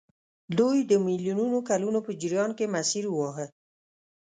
دوی د میلیونونو کلونو په جریان کې مسیر وواهه.